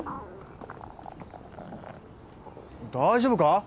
大丈夫か？